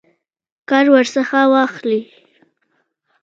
کار ورڅخه واخلي.